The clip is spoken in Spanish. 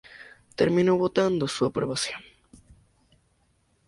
Terminó votando su aprobación.